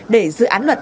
để dự án luật